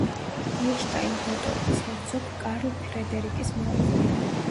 ჰოლშტაინ-გოტორპის ჰერცოგ კარლ ფრედერიკის მეუღლე.